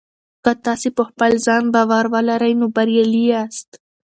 که تاسي په خپل ځان باور ولرئ نو بریالي یاست.